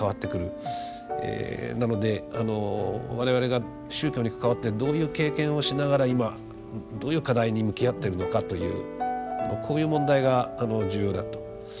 なので我々が宗教に関わってどういう経験をしながら今どういう課題に向き合ってるのかというこういう問題が重要だと。